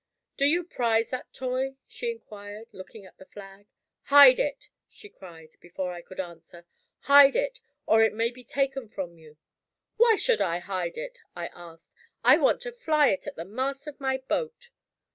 "Do you prize that toy?" she inquired, looking at the flag. "Hide it!" she cried, before I could answer. "Hide it or it may be taken from you!" "Why should I hide it?" I asked. "I want to fly it at the mast of my boat."